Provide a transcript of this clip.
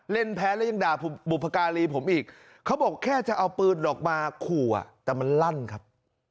แพ้แล้วยังด่าบุพการีผมอีกเขาบอกแค่จะเอาปืนออกมาขู่อ่ะแต่มันลั่นครับ